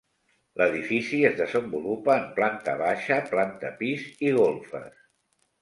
L'edifici es desenvolupa en planta baixa, planta pis i golfes.